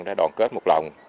đã đoàn kết một lòng